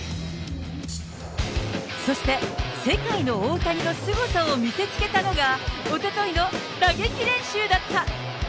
そして、世界の大谷のすごさを見せつけたのが、おとといの打撃練習だった。